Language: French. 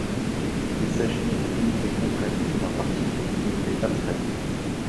Il s'agit d'une unité concrète faisant partie d'une unité abstraite.